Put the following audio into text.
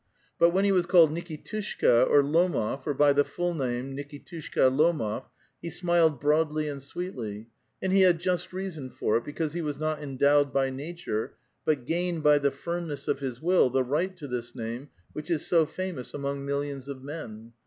But wlien he was called Nikitushka or Lomof, or by the full name, Nikitushka Lomof, he smiled broadly and sweetly, and he had just reason for it, because he was not endowed by nature, but gained by the firmness of his will, the right to this name which is so famous among millions of men.